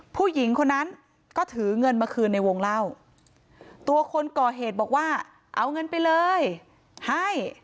ผู้หญิงคนนั้นก็ถือเงินมาคืนในวงเล่าตัวคนก่อเหตุบอกว่าเอาเงินไปเลยให้